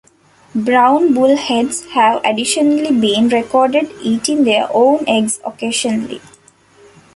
Brown bullheads have additionally been recorded eating their own eggs occasionally.